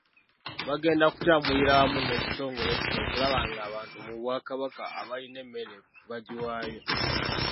Bagenda kutambulira wamu n’ekitongole kino okulaba ng’abantu mu Bwakabaka abalina emmere bagiwaayo .